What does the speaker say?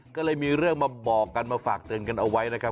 ก็เลยมีเรื่องมาบอกกันมาฝากเตือนกันเอาไว้นะครับ